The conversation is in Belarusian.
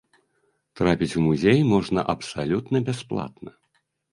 Трапіць у музей можна абсалютна бясплатна.